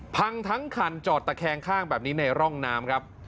ทั้งคันจอดตะแคงข้างแบบนี้ในร่องน้ำครับ